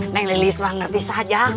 neng lilis mak ngerti saja